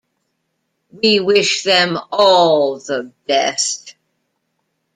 We wish them all the best.